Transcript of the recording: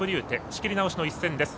仕切り直しの一戦です。